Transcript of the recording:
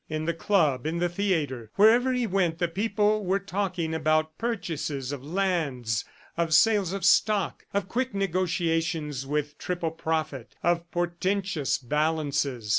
In the club, in the theatre, wherever he went, the people were talking about purchases of lands, of sales of stock, of quick negotiations with a triple profit, of portentous balances.